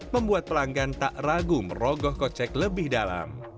membuat pelanggan tak ragu merogoh kocek lebih dalam